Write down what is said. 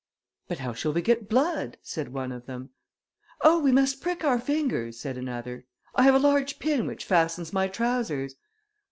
"But how shall we get blood?" said one of them. "Oh, we must prick our fingers," said another. "I have a large pin which fastens my trousers."